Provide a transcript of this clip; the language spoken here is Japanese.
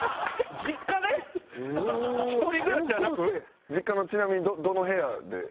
一人暮らしじゃなく？実家のちなみにどの部屋で？